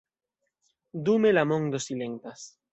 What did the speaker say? Dume la mondo silentas.